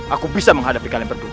aku bisa menghadapi kalian berdua